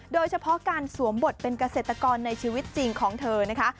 โดยเฉพาะการสวมบทเป็นเกษตรกรในชีวิตจริงของเธอนะคะ